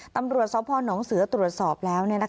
ตำรวจสพนเสือตรวจสอบแล้ว